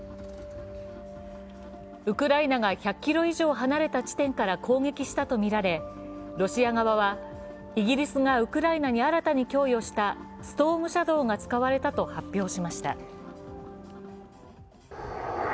ウクライナが１００ｋｍ以上離れた地点から攻撃したとみられロシア側はイギリスがウクライナに新たに供与したストームシャドーが使われたと発表しました。